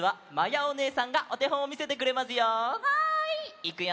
いくよ！